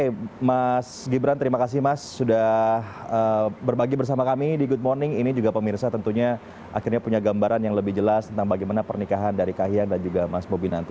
oke mas gibran terima kasih mas sudah berbagi bersama kami di good morning ini juga pemirsa tentunya akhirnya punya gambaran yang lebih jelas tentang bagaimana pernikahan dari kahiyang dan juga mas bobi nanti